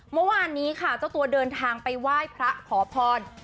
เมื่อวานนี้ค่ะเจ้าตัวเดินทางไปไหว้พระขอพร